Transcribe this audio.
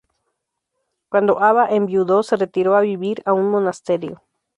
Cuando Ava enviudó se retiró a vivir a un monasterio.